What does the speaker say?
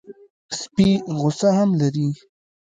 سپي غصه هم لري.